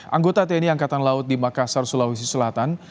anggota tni angkatan laut di makassar sulawesi selatan